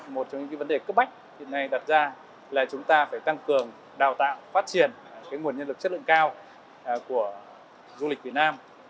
một trong những vấn đề cấp bách hiện nay đặt ra là chúng ta phải tăng cường đào tạo phát triển nguồn nhân lực chất lượng cao của du lịch việt nam